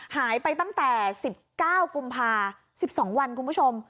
หายไปตั้งแต่๑๙กุมภา๑๒วันคุณผู้ชม